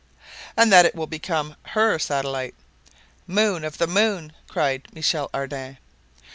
"And that it will become her satellite." "Moon of the moon!" cried Michel Ardan.